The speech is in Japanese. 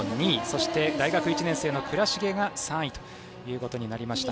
そして、大学１年生の藏重が３位ということになりました。